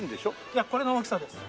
いやこれの大きさです。